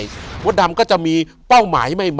อยู่ที่แม่ศรีวิรัยิลครับ